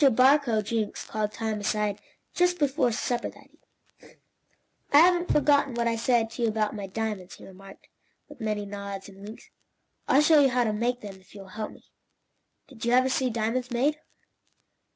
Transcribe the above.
Mr. Barcoe Jenks called Tom aside just before supper that evening. "I haven't forgotten what I said to you about my diamonds," he remarked, with many nods and winks. "I'll show you how to make them, if you will help me. Did you ever see diamonds made?"